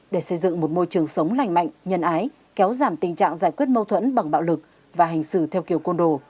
để xây dựng một môi trường sống lành mạnh nhân ái kéo giảm tình trạng giải quyết mâu thuẫn bằng bạo lực và hành xử theo kiểu côn đồ